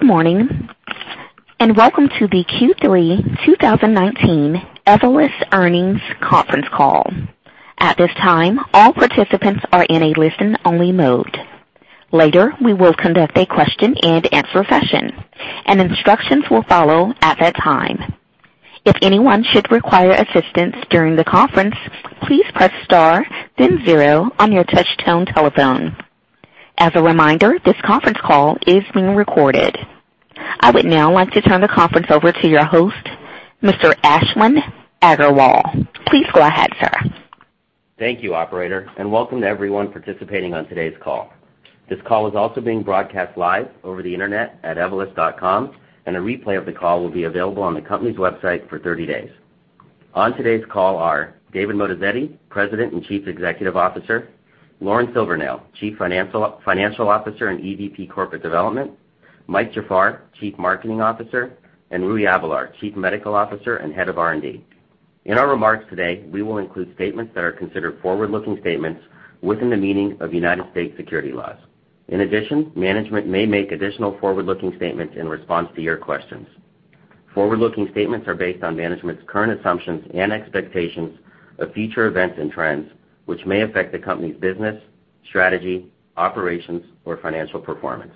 Good morning, and welcome to the Q3 2019 Evolus earnings conference call. At this time, all participants are in a listen-only mode. Later, we will conduct a question-and-answer session, and instructions will follow at that time. If anyone should require assistance during the conference, please press star then zero on your touchtone telephone. As a reminder, this conference call is being recorded. I would now like to turn the conference over to your host, Mr. Ashwin Agarwal. Please go ahead, sir. Thank you, operator, and welcome to everyone participating on today's call. This call is also being broadcast live over the internet at evolus.com. A replay of the call will be available on the company's website for 30 days. On today's call are David Moatazedi, President and Chief Executive Officer, Lauren Silvernail, Chief Financial Officer and EVP Corporate Development, Mike Jafar, Chief Marketing Officer, and Rui Avelar, Chief Medical Officer and Head of R&D. In our remarks today, we will include statements that are considered forward-looking statements within the meaning of U.S. security laws. In addition, management may make additional forward-looking statements in response to your questions. Forward-looking statements are based on management's current assumptions and expectations of future events and trends, which may affect the company's business, strategy, operations, or financial performance.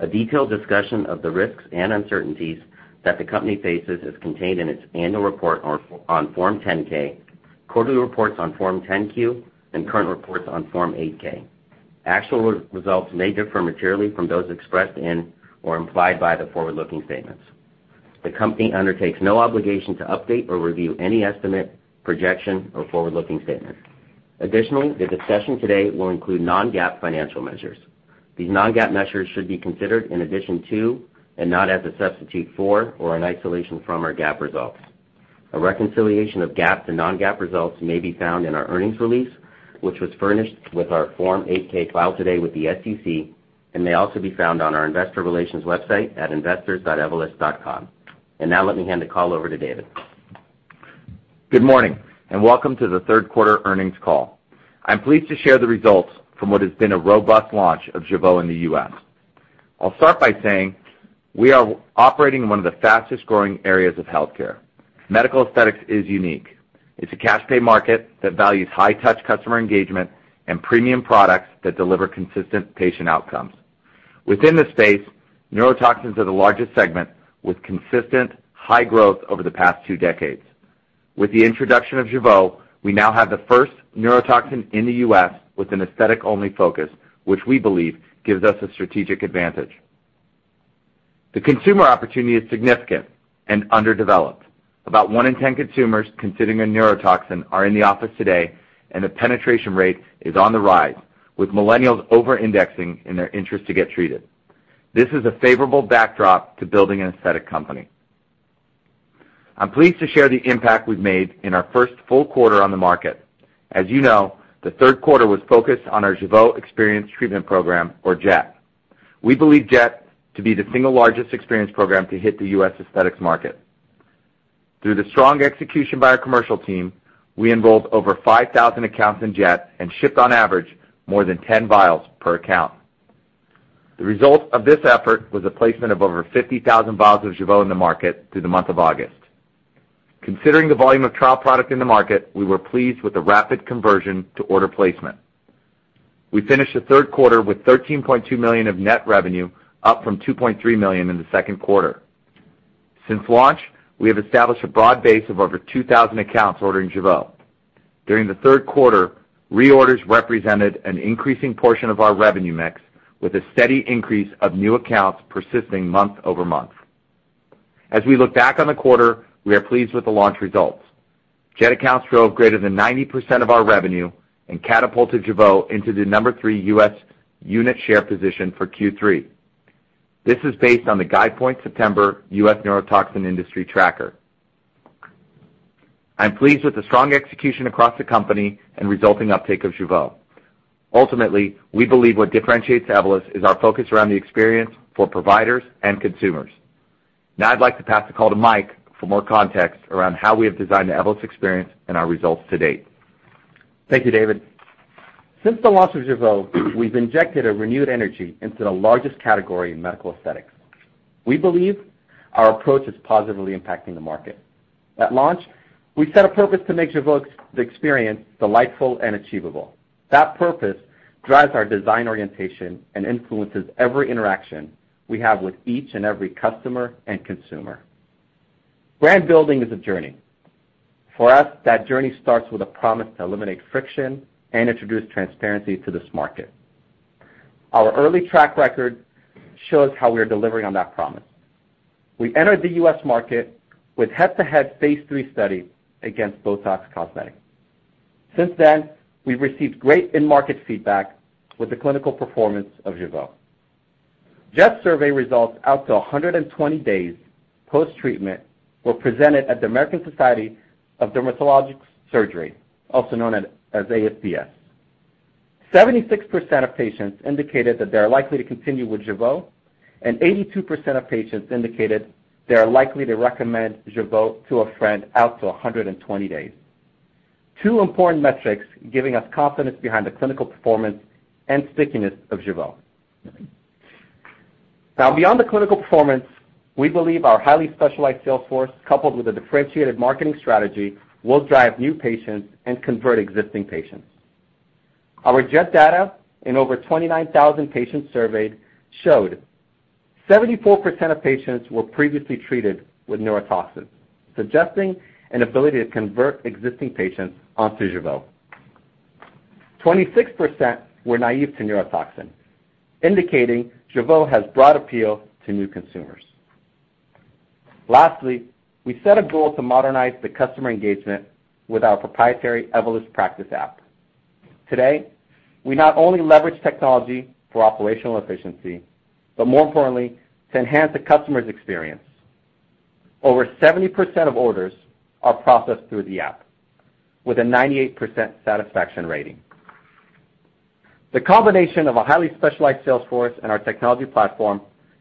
A detailed discussion of the risks and uncertainties that the company faces is contained in its annual report on Form 10-K, quarterly reports on Form 10-Q, and current reports on Form 8-K. Actual results may differ materially from those expressed and/or implied by the forward-looking statements. The company undertakes no obligation to update or review any estimate, projection, or forward-looking statement. Additionally, the discussion today will include non-GAAP financial measures. These non-GAAP measures should be considered in addition to and not as a substitute for or an isolation from our GAAP results. A reconciliation of GAAP to non-GAAP results may be found in our earnings release, which was furnished with our Form 8-K filed today with the SEC and may also be found on our investor relations website at investors.evolus.com. Now let me hand the call over to David. Good morning, and welcome to the third quarter earnings call. I'm pleased to share the results from what has been a robust launch of Jeuveau in the U.S. I'll start by saying we are operating in one of the fastest-growing areas of healthcare. Medical aesthetics is unique. It's a cash-pay market that values high-touch customer engagement and premium products that deliver consistent patient outcomes. Within this space, neurotoxins are the largest segment, with consistent high growth over the past two decades. With the introduction of Jeuveau, we now have the first neurotoxin in the U.S. with an aesthetic-only focus, which we believe gives us a strategic advantage. The consumer opportunity is significant and underdeveloped. About one in 10 consumers considering a neurotoxin are in the office today, and the penetration rate is on the rise, with millennials over-indexing in their interest to get treated. This is a favorable backdrop to building an aesthetic company. I'm pleased to share the impact we've made in our first full quarter on the market. As you know, the third quarter was focused on our Jeuveau Experience Treatment program, or J.E.T. We believe J.E.T. to be the single largest experience program to hit the U.S. aesthetics market. Through the strong execution by our commercial team, we enrolled over 5,000 accounts in J.E.T. and shipped on average more than 10 vials per account. The result of this effort was a placement of over 50,000 vials of Jeuveau in the market through the month of August. Considering the volume of trial product in the market, we were pleased with the rapid conversion to order placement. We finished the third quarter with $13.2 million of net revenue, up from $2.3 million in the second quarter. Since launch, we have established a broad base of over 2,000 accounts ordering Jeuveau. During the third quarter, reorders represented an increasing portion of our revenue mix, with a steady increase of new accounts persisting month-over-month. As we look back on the quarter, we are pleased with the launch results. J.E.T. accounts drove greater than 90% of our revenue and catapulted Jeuveau into the number three U.S. unit share position for Q3. This is based on the Guidepoint September U.S. Neurotoxin Industry Tracker. I'm pleased with the strong execution across the company and resulting uptake of Jeuveau. Ultimately, we believe what differentiates Evolus is our focus around the experience for providers and consumers. Now I'd like to pass the call to Mike for more context around how we have designed the Evolus experience and our results to date. Thank you, David. Since the launch of Jeuveau, we've injected a renewed energy into the largest category in medical aesthetics. We believe our approach is positively impacting the market. At launch, we set a purpose to make Jeuveau's experience delightful and achievable. That purpose drives our design orientation and influences every interaction we have with each and every customer and consumer. Brand building is a journey. For us, that journey starts with a promise to eliminate friction and introduce transparency to this market. Our early track record shows how we are delivering on that promise. We entered the U.S. market with head-to-head phase III study against BOTOX Cosmetic. Since then, we've received great in-market feedback with the clinical performance of Jeuveau. J.E.T. survey results out to 120 days post-treatment were presented at the American Society for Dermatologic Surgery, also known as ASDS. 76% of patients indicated that they are likely to continue with Jeuveau, and 82% of patients indicated they are likely to recommend Jeuveau to a friend out to 120 days. Two important metrics giving us confidence behind the clinical performance and stickiness of Jeuveau. Beyond the clinical performance, we believe our highly specialized sales force, coupled with a differentiated marketing strategy, will drive new patients and convert existing patients. Our J.E.T. data in over 29,000 patients surveyed showed 74% of patients were previously treated with neurotoxins, suggesting an ability to convert existing patients onto Jeuveau. 26% were naive to neurotoxin, indicating Jeuveau has broad appeal to new consumers. Lastly, we set a goal to modernize the customer engagement with our proprietary Evolus Practice App. Today, we not only leverage technology for operational efficiency, but more importantly, to enhance the customer's experience. Over 70% of orders are processed through the app with a 98% satisfaction rating. The combination of a highly specialized sales force and our technology platform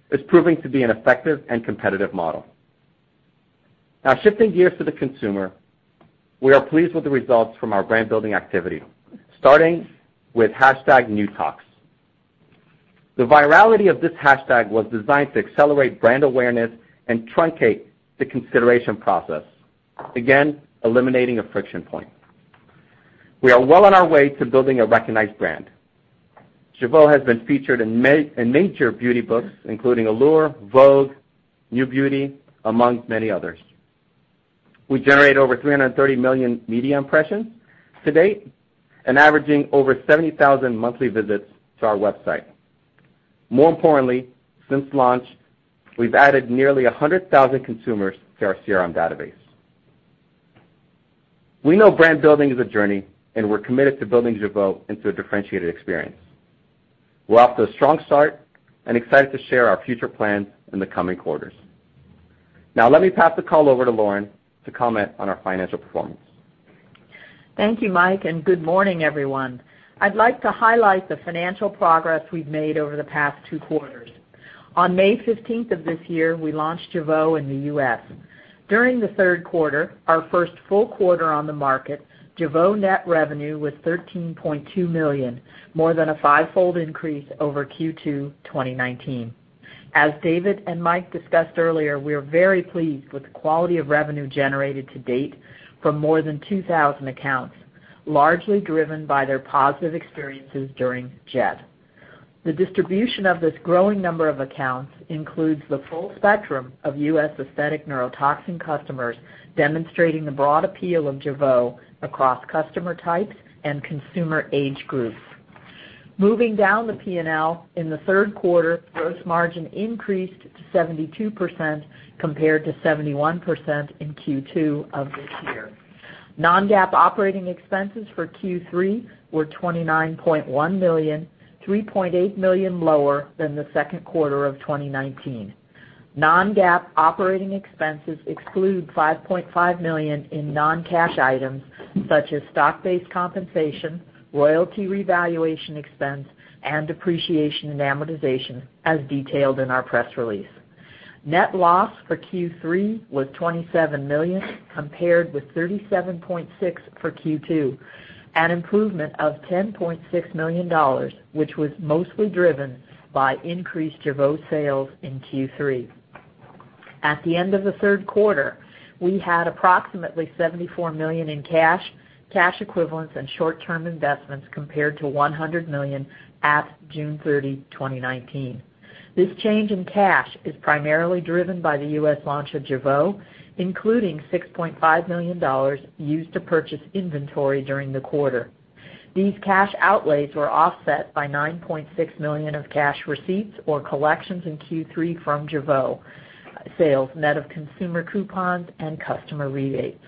is proving to be an effective and competitive model. Now shifting gears to the consumer, we are pleased with the results from our brand-building activity, starting with #newtox. The virality of this hashtag was designed to accelerate brand awareness and truncate the consideration process, again, eliminating a friction point. We are well on our way to building a recognized brand. Jeuveau has been featured in major beauty books, including Allure, Vogue, NewBeauty, among many others. We generate over 330 million media impressions to date and averaging over 70,000 monthly visits to our website. More importantly, since launch, we've added nearly 100,000 consumers to our CRM database. We know brand building is a journey, and we're committed to building Jeuveau into a differentiated experience. We're off to a strong start and excited to share our future plans in the coming quarters. Now let me pass the call over to Lauren to comment on our financial performance. Thank you, Mike. Good morning, everyone. I'd like to highlight the financial progress we've made over the past two quarters. On May 15th of this year, we launched Jeuveau in the U.S. During the third quarter, our first full quarter on the market, Jeuveau net revenue was $13.2 million, more than a five-fold increase over Q2 2019. As David and Mike discussed earlier, we are very pleased with the quality of revenue generated to date from more than 2,000 accounts, largely driven by their positive experiences during J.E.T. The distribution of this growing number of accounts includes the full spectrum of U.S. aesthetic neurotoxin customers, demonstrating the broad appeal of Jeuveau across customer types and consumer age groups. Moving down the P&L in the third quarter, gross margin increased to 72% compared to 71% in Q2 of this year. Non-GAAP operating expenses for Q3 were $29.1 million, $3.8 million lower than the second quarter of 2019. Non-GAAP operating expenses exclude $5.5 million in non-cash items such as stock-based compensation, royalty revaluation expense, and depreciation and amortization, as detailed in our press release. Net loss for Q3 was $27 million compared with $37.6 million for Q2, an improvement of $10.6 million, which was mostly driven by increased Jeuveau sales in Q3. At the end of the third quarter, we had approximately $74 million in cash, cash equivalents, and short-term investments compared to $100 million at June 30, 2019. This change in cash is primarily driven by the U.S. launch of Jeuveau, including $6.5 million used to purchase inventory during the quarter. These cash outlays were offset by $9.6 million of cash receipts or collections in Q3 from Jeuveau sales net of consumer coupons and customer rebates.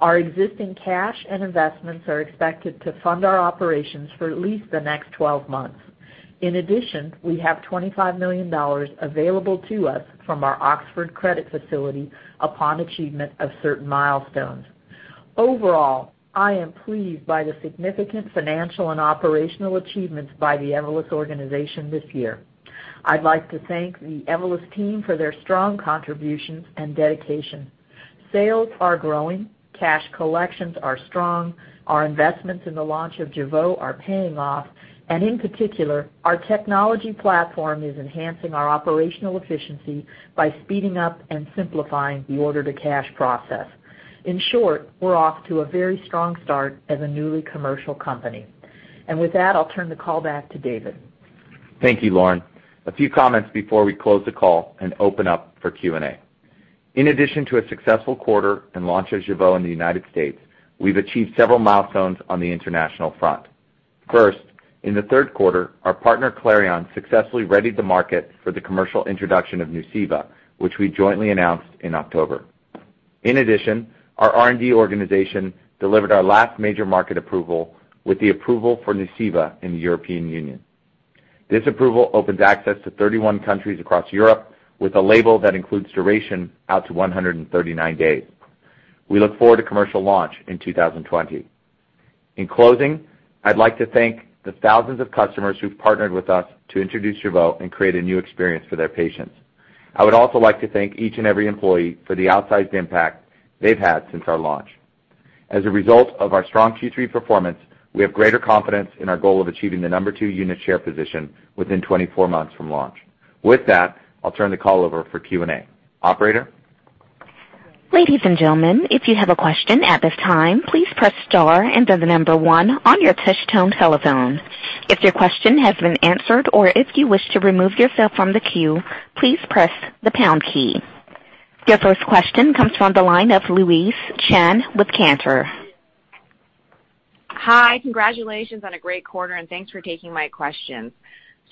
Our existing cash and investments are expected to fund our operations for at least the next 12 months. In addition, we have $25 million available to us from our Oxford credit facility upon achievement of certain milestones. Overall, I am pleased by the significant financial and operational achievements by the Evolus organization this year. I'd like to thank the Evolus team for their strong contributions and dedication. Sales are growing, cash collections are strong, our investments in the launch of Jeuveau are paying off, and in particular, our technology platform is enhancing our operational efficiency by speeding up and simplifying the order-to-cash process. In short, we're off to a very strong start as a newly commercial company. With that, I'll turn the call back to David. Thank you, Lauren. A few comments before we close the call and open up for Q&A. In addition to a successful quarter and launch of Jeuveau in the United States, we've achieved several milestones on the international front. First, in the third quarter, our partner, Clarion successfully readied the market for the commercial introduction of Nuceiva, which we jointly announced in October. In addition, our R&D organization delivered our last major market approval with the approval for Nuceiva in the European Union. This approval opens access to 31 countries across Europe with a label that includes duration out to 139 days. We look forward to commercial launch in 2020. In closing, I'd like to thank the thousands of customers who've partnered with us to introduce Jeuveau and create a new experience for their patients. I would also like to thank each and every employee for the outsized impact they've had since our launch. As a result of our strong Q3 performance, we have greater confidence in our goal of achieving the number two unit share position within 24 months from launch. With that, I'll turn the call over for Q&A. Operator? Ladies and gentlemen, if you have a question at this time, please press star and then the number one on your touch tone telephone. If your question has been answered or if you wish to remove yourself from the queue, please press the pound key. Your first question comes from the line of Louise Chen with Cantor. Hi. Congratulations on a great quarter, and thanks for taking my questions.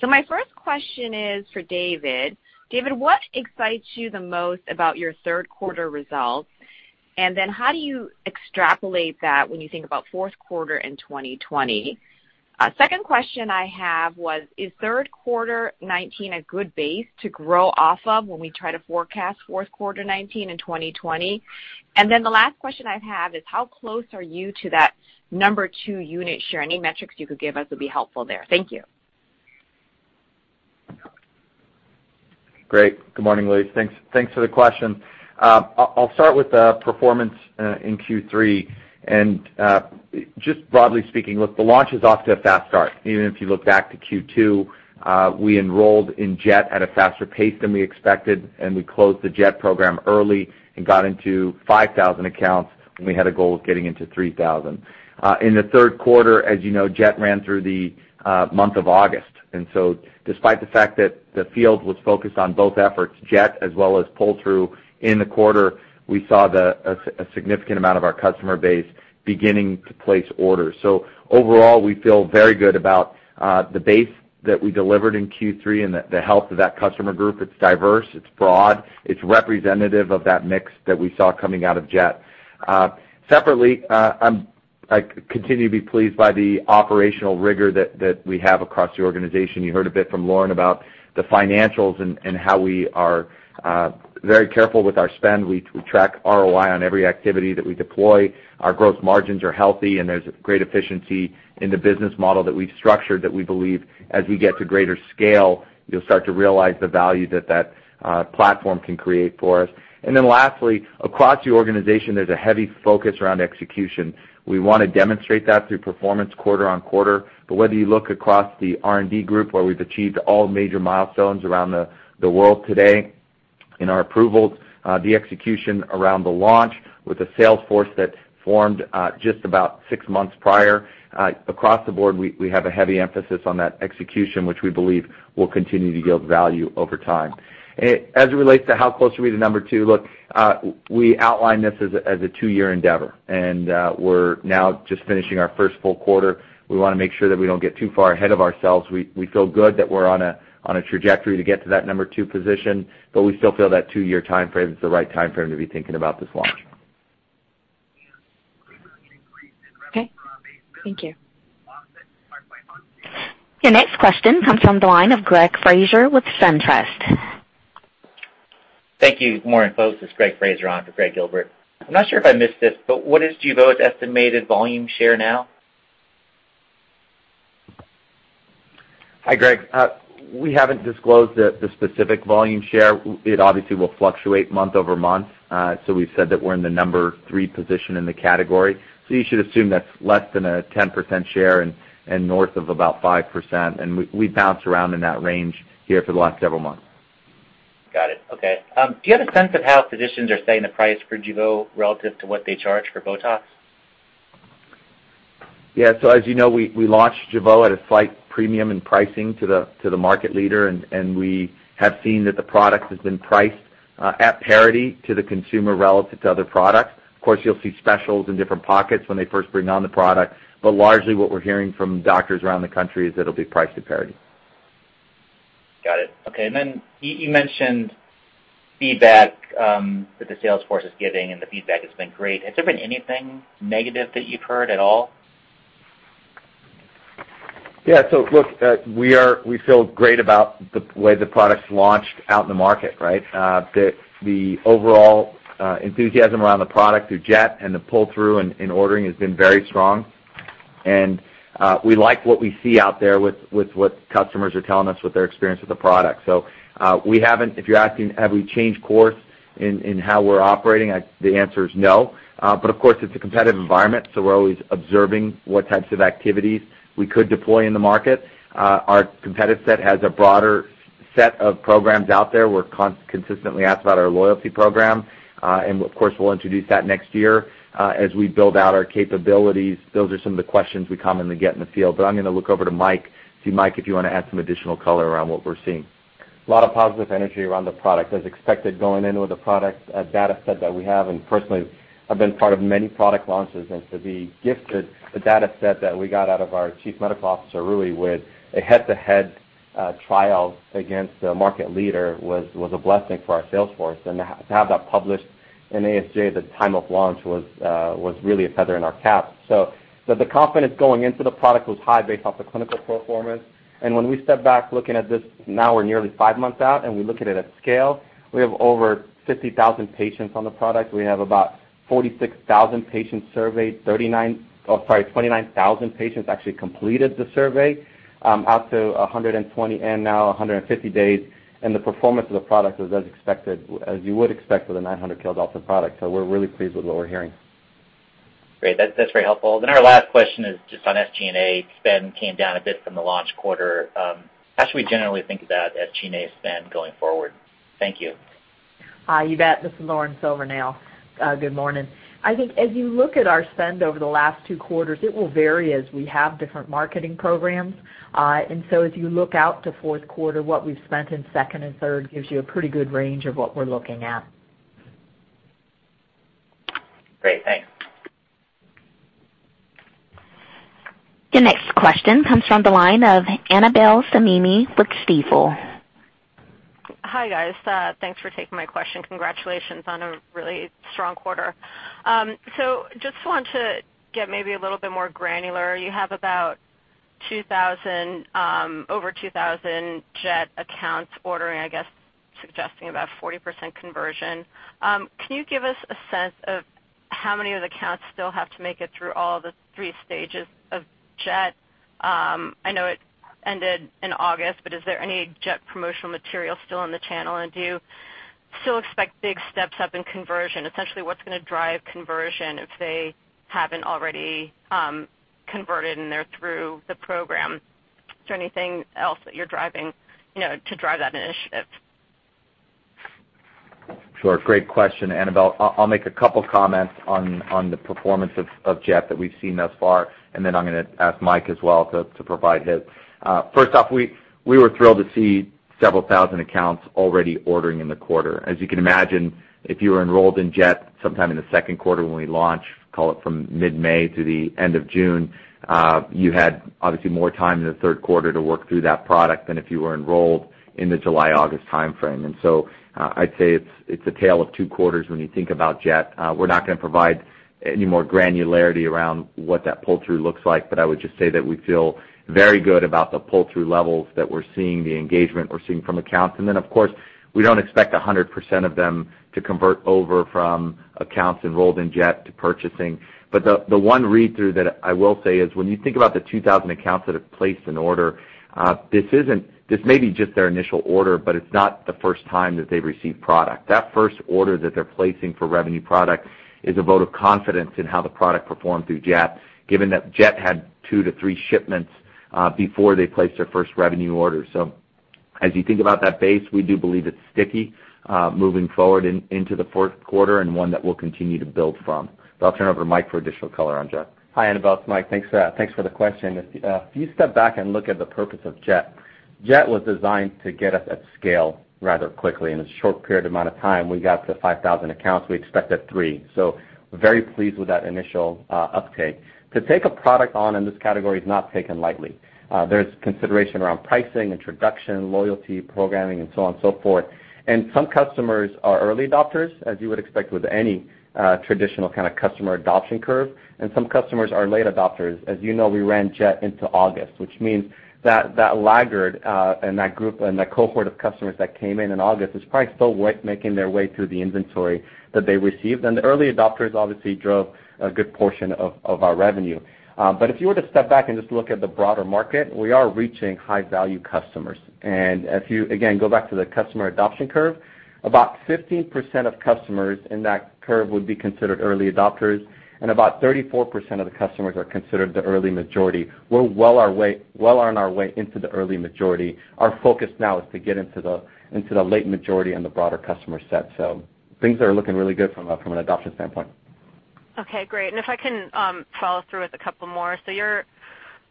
My first question is for David. David, what excites you the most about your third quarter results? How do you extrapolate that when you think about fourth quarter in 2020? Second question I have was, is third quarter 2019 a good base to grow off of when we try to forecast fourth quarter 2019 and 2020? The last question I have is, how close are you to that number two unit share? Any metrics you could give us would be helpful there. Thank you. Great. Good morning, Louise. Thanks for the question. I'll start with the performance in Q3. Just broadly speaking, look, the launch is off to a fast start. Even if you look back to Q2, we enrolled in J.E.T. at a faster pace than we expected. We closed the J.E.T. program early and got into 5,000 accounts. We had a goal of getting into 3,000. In the third quarter, as you know, J.E.T. ran through the month of August. Despite the fact that the field was focused on both efforts, J.E.T. as well as pull-through in the quarter, we saw a significant amount of our customer base beginning to place orders. Overall, we feel very good about the base that we delivered in Q3 and the health of that customer group. It's diverse, it's broad, it's representative of that mix that we saw coming out of J.E.T. Separately, I continue to be pleased by the operational rigor that we have across the organization. You heard a bit from Lauren about the financials and how we are very careful with our spend. We track ROI on every activity that we deploy. Our gross margins are healthy, and there's great efficiency in the business model that we've structured, that we believe as we get to greater scale, you'll start to realize the value that platform can create for us. Lastly, across the organization, there's a heavy focus around execution. We want to demonstrate that through performance quarter-on-quarter. Whether you look across the R&D group, where we've achieved all major milestones around the world today in our approvals, the execution around the launch with a sales force that formed just about six months prior. Across the board, we have a heavy emphasis on that execution, which we believe will continue to yield value over time. As it relates to how close are we to number two, look, we outlined this as a two-year endeavor, and we're now just finishing our first full quarter. We want to make sure that we don't get too far ahead of ourselves. We feel good that we're on a trajectory to get to that number two position, but we still feel that two-year timeframe is the right timeframe to be thinking about this launch. Okay. Thank you. Your next question comes from the line of Greg Fraser with SunTrust. Thank you. Morning, folks. It's Greg Fraser on for Gregg Gilbert. I'm not sure if I missed this, but what is Jeuveau's estimated volume share now? Hi, Greg. We haven't disclosed the specific volume share. It obviously will fluctuate month-over-month. We've said that we're in the number three position in the category. You should assume that's less than a 10% share and north of about 5%. We've bounced around in that range here for the last several months. Got it. Okay. Do you have a sense of how physicians are setting the price for Jeuveau relative to what they charge for BOTOX? Yeah. As you know, we launched Jeuveau at a slight premium in pricing to the market leader, and we have seen that the product has been priced at parity to the consumer relative to other products. Of course, you'll see specials in different pockets when they first bring on the product. Largely what we're hearing from doctors around the country is it'll be priced to parity. Got it. Okay. You mentioned feedback that the sales force is giving, and the feedback has been great. Has there been anything negative that you've heard at all? Yeah. Look, we feel great about the way the product's launched out in the market, right? The overall enthusiasm around the product through J.E.T. and the pull-through in ordering has been very strong. We like what we see out there with what customers are telling us with their experience with the product. If you're asking have we changed course in how we're operating, the answer is no. Of course, it's a competitive environment, so we're always observing what types of activities we could deploy in the market. Our competitive set has a broader set of programs out there. We're consistently asked about our loyalty program. Of course, we'll introduce that next year. As we build out our capabilities, those are some of the questions we commonly get in the field. I'm going to look over to Mike. Mike, if you want to add some additional color around what we're seeing. A lot of positive energy around the product. As expected going in with the product data set that we have, and personally, I've been part of many product launches, and to be gifted the data set that we got out of our Chief Medical Officer, really with a head-to-head trial against the market leader was a blessing for our sales force, and to have that published. In ASJ, the time of launch was really a feather in our cap. The confidence going into the product was high based off the clinical performance. When we step back looking at this, now we're nearly five months out, and we look at it at scale. We have over 50,000 patients on the product. We have about 46,000 patients surveyed, 29,000 patients actually completed the survey, out to 120 and now 150 days, and the performance of the product was as expected, as you would expect with a 900 kDa product. We're really pleased with what we're hearing. Great. That's very helpful. Our last question is just on SG&A. Spend came down a bit from the launch quarter. How should we generally think about SG&A spend going forward? Thank you. Hi. You bet. This is Lauren Silvernail. Good morning. I think as you look at our spend over the last two quarters, it will vary as we have different marketing programs. As you look out to fourth quarter, what we've spent in second and third gives you a pretty good range of what we're looking at. Great. Thanks. Your next question comes from the line of Annabel Samimy with Stifel. Hi, guys. Thanks for taking my question. Congratulations on a really strong quarter. Just want to get maybe a little bit more granular. You have about over 2,000 J.E.T. accounts ordering, I guess, suggesting about 40% conversion. Can you give us a sense of how many of the accounts still have to make it through all the three stages of J.E.T.? I know it ended in August, is there any J.E.T. promotional material still in the channel? Do you still expect big steps up in conversion? Essentially, what's going to drive conversion if they haven't already converted and they're through the program? Is there anything else that you're driving to drive that initiative? Sure. Great question, Annabel. I'll make a couple comments on the performance of J.E.T. that we've seen thus far, and then I'm going to ask Mike as well to provide his. First off, we were thrilled to see several thousand accounts already ordering in the quarter. As you can imagine, if you were enrolled in J.E.T. sometime in the second quarter when we launched, call it from mid-May to the end of June, you had obviously more time in the third quarter to work through that product than if you were enrolled in the July, August timeframe. I'd say it's a tale of two quarters when you think about J.E.T. We're not going to provide any more granularity around what that pull-through looks like, but I would just say that we feel very good about the pull-through levels that we're seeing, the engagement we're seeing from accounts. Of course, we don't expect 100% of them to convert over from accounts enrolled in J.E.T. to purchasing. The one read-through that I will say is when you think about the 2,000 accounts that have placed an order, this may be just their initial order, but it's not the first time that they've received product. That first order that they're placing for revenue product is a vote of confidence in how the product performed through J.E.T., given that J.E.T. had two to three shipments, before they placed their first revenue order. As you think about that base, we do believe it's sticky, moving forward into the fourth quarter and one that we'll continue to build from. I'll turn over to Mike for additional color on J.E.T. Hi, Annabel. It's Mike. Thanks for the question. If you step back and look at the purpose of J.E.T., J.E.T. was designed to get us at scale rather quickly. In a short period amount of time, we got to 5,000 accounts. We expected 3,000. Very pleased with that initial uptake. To take a product on in this category is not taken lightly. There's consideration around pricing, introduction, loyalty, programming, and so on and so forth. Some customers are early adopters, as you would expect with any traditional kind of customer adoption curve. Some customers are late adopters. As you know, we ran J.E.T. into August, which means that laggard and that group and that cohort of customers that came in in August is probably still making their way through the inventory that they received. The early adopters obviously drove a good portion of our revenue. If you were to step back and just look at the broader market, we are reaching high-value customers. If you, again, go back to the customer adoption curve, about 15% of customers in that curve would be considered early adopters. About 34% of the customers are considered the early majority. We're well on our way into the early majority. Our focus now is to get into the late majority and the broader customer set. Things are looking really good from an adoption standpoint. Okay, great. If I can follow through with a couple more.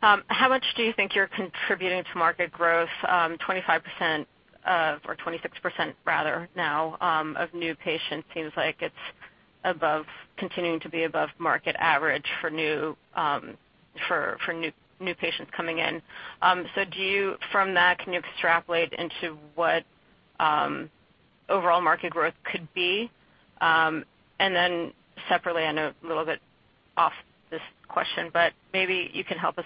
How much do you think you're contributing to market growth? 25% or 26% rather now of new patients seems like it's continuing to be above market average for new patients coming in. From that, can you extrapolate into what overall market growth could be? Separately, I know a little bit off this question, but maybe you can help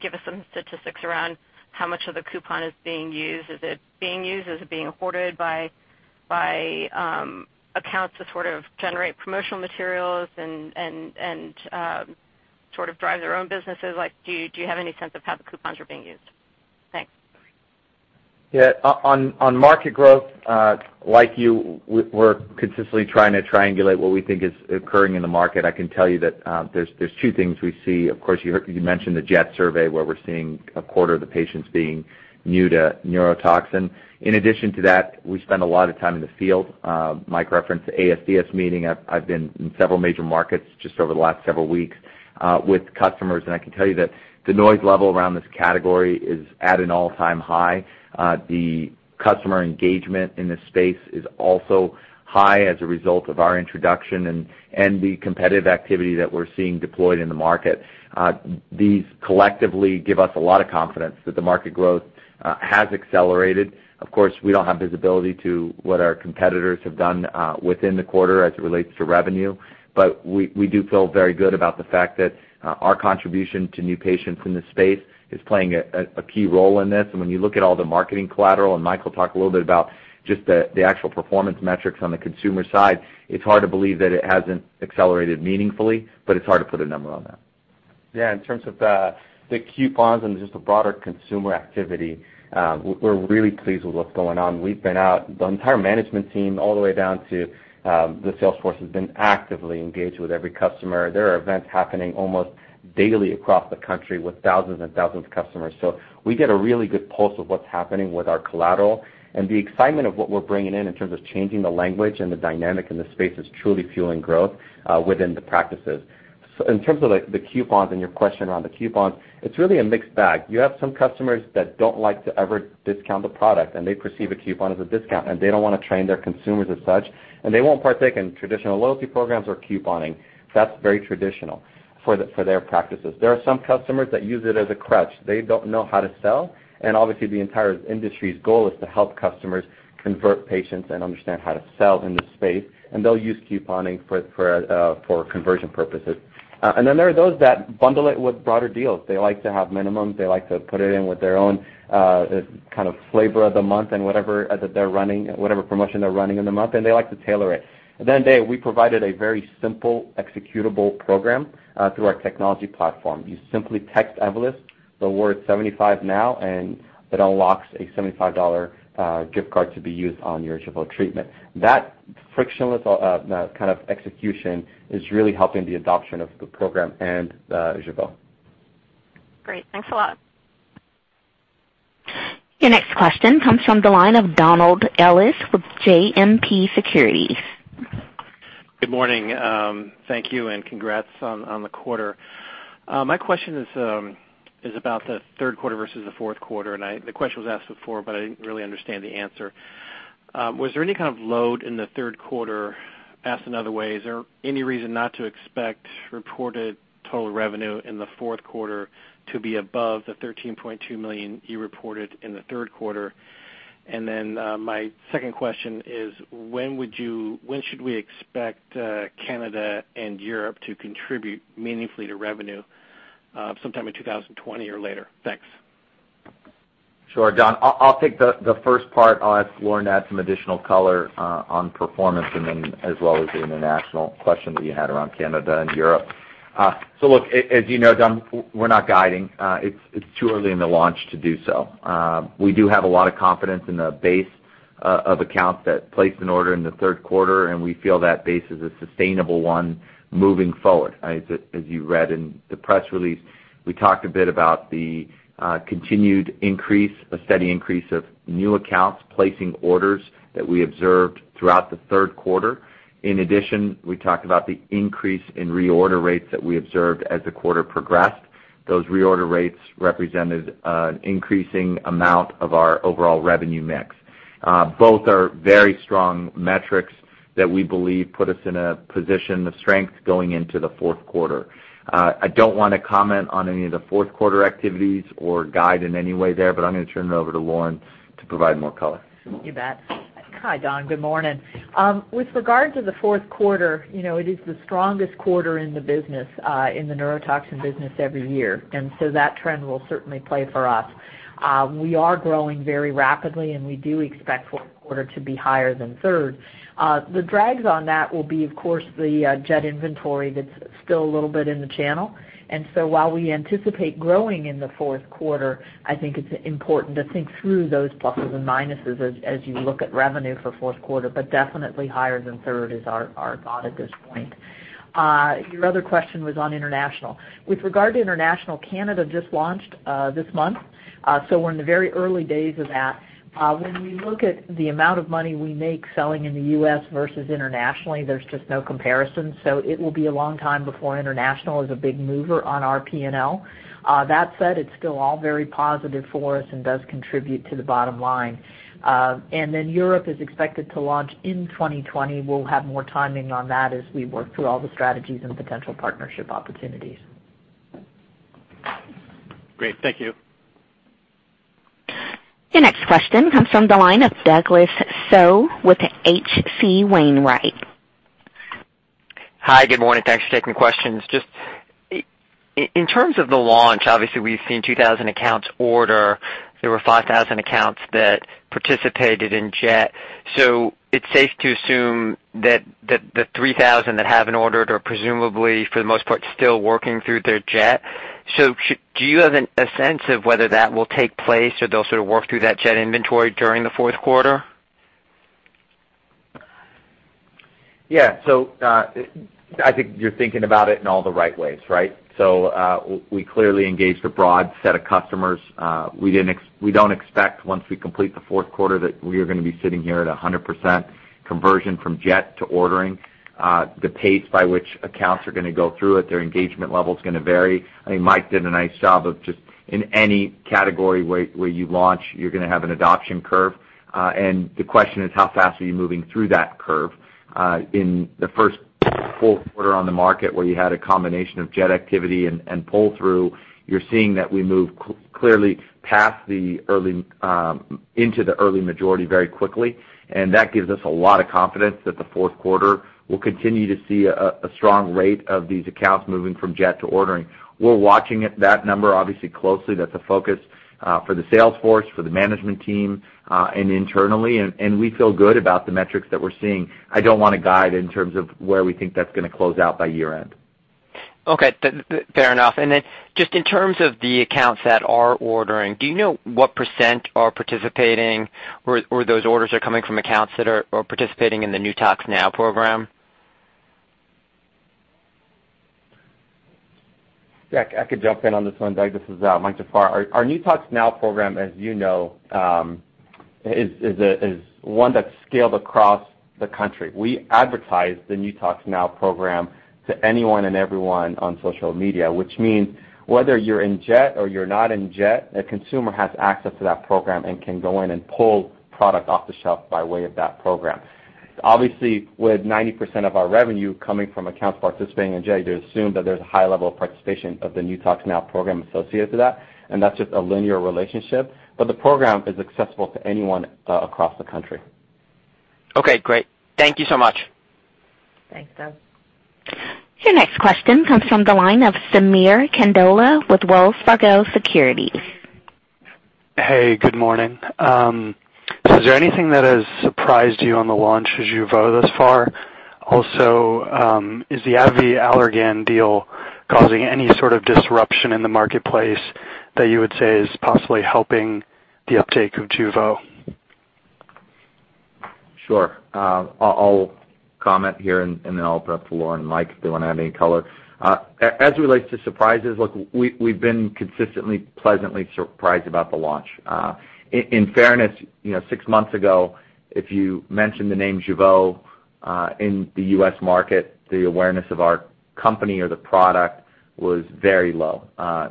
give us some statistics around how much of the coupon is being used. Is it being used? Is it being hoarded by accounts to sort of generate promotional materials and sort of drive their own businesses? Do you have any sense of how the coupons are being used? Thanks. Yeah. On market growth, like you, we are consistently trying to triangulate what we think is occurring in the market. I can tell you that there are two things we see. Of course, you mentioned the J.E.T. survey where we are seeing a quarter of the patients being new to neurotoxin. In addition to that, we spend a lot of time in the field. Mike referenced the ASDS meeting. I have been in several major markets just over the last several weeks. With customers, I can tell you that the noise level around this category is at an all-time high. The customer engagement in this space is also high as a result of our introduction and the competitive activity that we are seeing deployed in the market. These collectively give us a lot of confidence that the market growth has accelerated. Of course, we don't have visibility to what our competitors have done within the quarter as it relates to revenue, but we do feel very good about the fact that our contribution to new patients in this space is playing a key role in this. When you look at all the marketing collateral, and Mike will talk a little bit about just the actual performance metrics on the consumer side, it's hard to believe that it hasn't accelerated meaningfully, but it's hard to put a number on that. Yeah, in terms of the coupons and just the broader consumer activity, we're really pleased with what's going on. We've been out, the entire management team, all the way down to the sales force, has been actively engaged with every customer. There are events happening almost daily across the country with thousands and thousands of customers. We get a really good pulse of what's happening with our collateral and the excitement of what we're bringing in terms of changing the language and the dynamic in the space, is truly fueling growth within the practices. In terms of the coupons and your question around the coupons, it's really a mixed bag. You have some customers that don't like to ever discount the product, and they perceive a coupon as a discount, and they don't want to train their consumers as such, and they won't partake in traditional loyalty programs or couponing. That's very traditional for their practices. There are some customers that use it as a crutch. They don't know how to sell, and obviously the entire industry's goal is to help customers convert patients and understand how to sell in this space, and they'll use couponing for conversion purposes. There are those that bundle it with broader deals. They like to have minimums. They like to put it in with their own kind of flavor of the month and whatever promotion they're running in the month, and they like to tailor it. We provided a very simple executable program through our technology platform. You simply text Evolus the word 75 now, and it unlocks a $75 gift card to be used on your Jeuveau treatment. That frictionless kind of execution is really helping the adoption of the program and Jeuveau. Great. Thanks a lot. Your next question comes from the line of Donald Ellis with JMP Securities. Good morning. Thank you, and congrats on the quarter. My question is about the third quarter versus the fourth quarter, and the question was asked before, but I didn't really understand the answer. Was there any kind of load in the third quarter? Asked another way, is there any reason not to expect reported total revenue in the fourth quarter to be above the $13.2 million you reported in the third quarter? My second question is, when should we expect Canada and Europe to contribute meaningfully to revenue, sometime in 2020 or later? Thanks. Sure, Don. I'll take the first part. I'll ask Lauren to add some additional color on performance and then as well as the international question that you had around Canada and Europe. Look, as you know, Don, we're not guiding. It's too early in the launch to do so. We do have a lot of confidence in the base of accounts that placed an order in the third quarter, and we feel that base is a sustainable one moving forward. As you read in the press release, we talked a bit about the continued increase, a steady increase of new accounts placing orders that we observed throughout the third quarter. In addition, we talked about the increase in reorder rates that we observed as the quarter progressed. Those reorder rates represented an increasing amount of our overall revenue mix. Both are very strong metrics that we believe put us in a position of strength going into the fourth quarter. I don't want to comment on any of the fourth quarter activities or guide in any way there. I'm going to turn it over to Lauren to provide more color. You bet. Hi, Don. Good morning. With regard to the fourth quarter, it is the strongest quarter in the business, in the neurotoxin business every year, and so that trend will certainly play for us. We are growing very rapidly, and we do expect fourth quarter to be higher than third. The drags on that will be, of course, the J.E.T. inventory that's still a little bit in the channel. While we anticipate growing in the fourth quarter, I think it's important to think through those pluses and minuses as you look at revenue for fourth quarter, but definitely higher than third is our thought at this point. Your other question was on international. With regard to international, Canada just launched this month, so we're in the very early days of that. When we look at the amount of money we make selling in the U.S. versus internationally, there's just no comparison. It will be a long time before international is a big mover on our P&L. That said, it's still all very positive for us and does contribute to the bottom line. Europe is expected to launch in 2020. We'll have more timing on that as we work through all the strategies and potential partnership opportunities. Great. Thank you. Your next question comes from the line of Douglas Tsao with H.C. Wainwright. Hi, good morning. Thanks for taking questions. Just in terms of the launch, obviously we've seen 2,000 accounts order. There were 5,000 accounts that participated in J.E.T. It's safe to assume that the 3,000 that haven't ordered are presumably, for the most part, still working through their J.E.T. Do you have a sense of whether that will take place or they'll sort of work through that J.E.T. inventory during the fourth quarter? I think you're thinking about it in all the right ways, right? We clearly engaged a broad set of customers. We don't expect once we complete the fourth quarter that we are going to be sitting here at 100% conversion from J.E.T. to ordering. The pace by which accounts are going to go through it, their engagement level is going to vary. I think Mike did a nice job of just in any category where you launch, you're going to have an adoption curve. The question is, how fast are you moving through that curve? In the first full quarter on the market, where you had a combination of J.E.T. activity and pull-through, you're seeing that we move clearly into the early majority very quickly, and that gives us a lot of confidence that the fourth quarter will continue to see a strong rate of these accounts moving from J.E.T. to ordering. We're watching that number obviously closely. That's a focus for the sales force, for the management team, and internally, and we feel good about the metrics that we're seeing. I don't want to guide in terms of where we think that's going to close out by year-end. Okay. Fair enough. Just in terms of the accounts that are ordering, do you know what percent are participating or those orders are coming from accounts that are participating in the #NEWTOX NOW program? Yeah, I could jump in on this one, Doug. This is Mike Jafar. Our #NEWTOX NOW program, as you know, is one that's scaled across the country. We advertise the #NEWTOX NOW program to anyone and everyone on social media, which means whether you're in J.E.T. or you're not in J.E.T., a consumer has access to that program and can go in and pull product off the shelf by way of that program. Obviously, with 90% of our revenue coming from accounts participating in J.E.T., you assume that there's a high level of participation of the #NEWTOX NOW program associated to that, and that's just a linear relationship. The program is accessible to anyone across the country. Okay, great. Thank you so much. Thanks, Doug. Your next question comes from the line of Sameer Kandola with Wells Fargo Securities. Hey, good morning. Is there anything that has surprised you on the launch of Jeuveau thus far? Also, is the AbbVie-Allergan deal causing any sort of disruption in the marketplace that you would say is possibly helping the uptake of Jeuveau? Sure. I will comment here and then I will open up to Lauren and Mike if they want to add any color. As it relates to surprises, look, we have been consistently pleasantly surprised about the launch. In fairness, six months ago, if you mentioned the name Jeuveau in the U.S. market, the awareness of our company or the product was very low.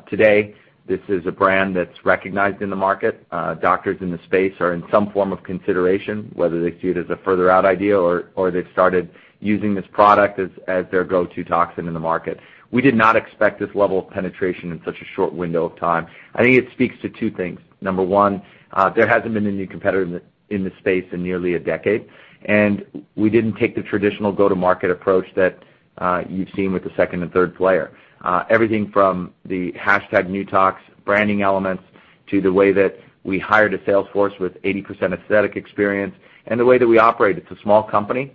Today, this is a brand that is recognized in the market. Doctors in the space are in some form of consideration, whether they see it as a further out idea or they have started using this product as their go-to toxin in the market. We did not expect this level of penetration in such a short window of time. I think it speaks to two things. Number one, there hasn't been a new competitor in this space in nearly a decade, and we didn't take the traditional go-to-market approach that you've seen with the second and third player. Everything from the #newtox branding elements to the way that we hired a sales force with 80% aesthetic experience and the way that we operate. It's a small company,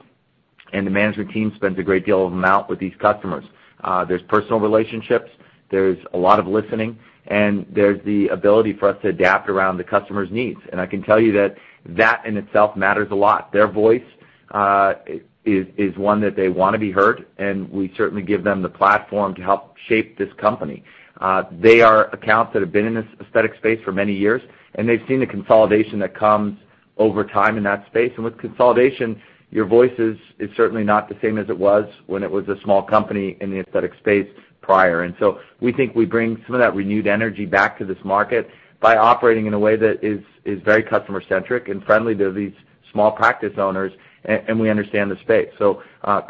and the management team spends a great deal of amount with these customers. There's personal relationships, there's a lot of listening, and there's the ability for us to adapt around the customer's needs. I can tell you that that in itself matters a lot. Their voice is one that they want to be heard, and we certainly give them the platform to help shape this company. They are accounts that have been in this aesthetic space for many years, and they've seen the consolidation that comes over time in that space. With consolidation, your voice is certainly not the same as it was when it was a small company in the aesthetic space prior. We think we bring some of that renewed energy back to this market by operating in a way that is very customer-centric and friendly to these small practice owners, and we understand the space.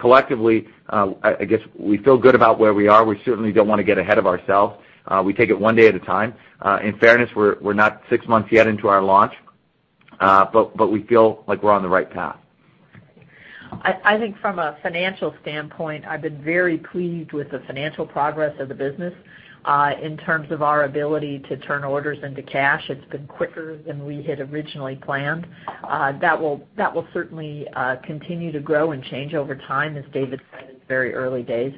Collectively, I guess we feel good about where we are. We certainly don't want to get ahead of ourselves. We take it one day at a time. In fairness, we're not six months yet into our launch, but we feel like we're on the right path. I think from a financial standpoint, I've been very pleased with the financial progress of the business in terms of our ability to turn orders into cash. It's been quicker than we had originally planned. That will certainly continue to grow and change over time, as David said, it's very early days.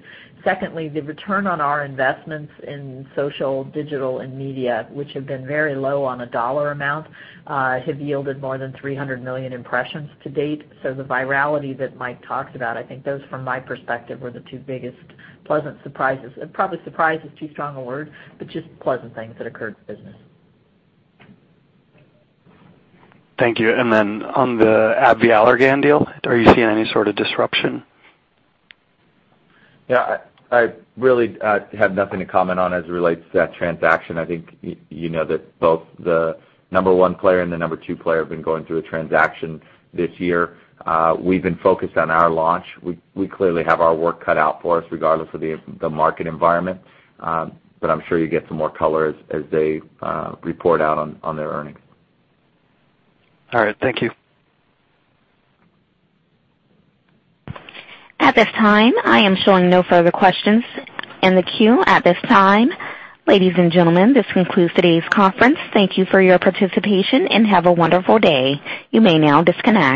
Secondly, the return on our investments in social, digital, and media, which have been very low on a dollar amount, have yielded more than 300 million impressions to date. The virality that Mike talked about, I think those from my perspective, were the two biggest pleasant surprises, and probably surprise is too strong a word, but just pleasant things that occurred in the business. Thank you. On the AbbVie-Allergan deal, are you seeing any sort of disruption? Yeah, I really have nothing to comment on as it relates to that transaction. I think you know that both the number one player and the number two player have been going through a transaction this year. We've been focused on our launch. We clearly have our work cut out for us regardless of the market environment. I'm sure you'll get some more color as they report out on their earnings. All right. Thank you. At this time, I am showing no further questions in the queue at this time. Ladies and gentlemen, this concludes today's conference. Thank you for your participation, and have a wonderful day. You may now disconnect.